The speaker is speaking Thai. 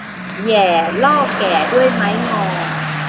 แหย่ล่อแก่ด้วยไม้งอ